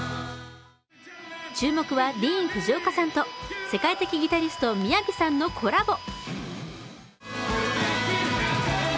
注目は、ディーン・フジオカさんと世界的ギタリストＭＩＹＡＶＩさんのコラボ。